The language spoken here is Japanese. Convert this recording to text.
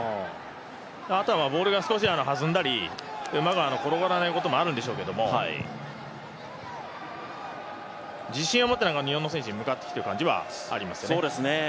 あとはボールが少し弾んだり、うまく転がらないこともあるんでしょうけど、自信を持って日本の選手に向かってきている感じはありますよね。